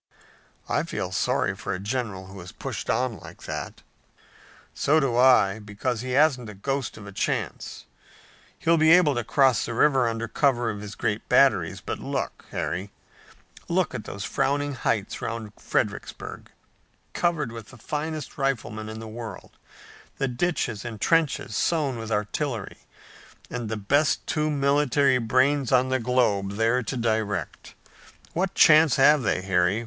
"I feel sorry for a general who is pushed on like that." "So do I, because he hasn't a ghost of a chance. He'll be able to cross the river under cover of his great batteries, but look, Harry, look at those frowning heights around Fredericksburg, covered with the finest riflemen in the world, the ditches and trenches sown with artillery, and the best two military brains on the globe there to direct. What chance have they, Harry?